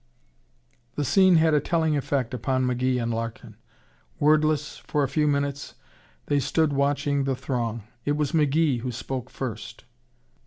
The scene had a telling effect upon McGee and Larkin. Wordless, for a few minutes, they stood watching the throng. It was McGee who spoke first.